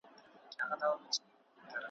له سهاره تر ماښامه تله راتلله ,